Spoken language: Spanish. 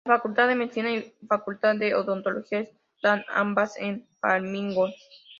La Facultad de Medicina y la Facultad de Odontología están ambas en Farmington.